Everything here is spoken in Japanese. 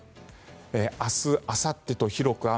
明日、あさってと広く雨。